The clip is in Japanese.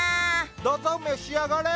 どうぞ召し上がれ。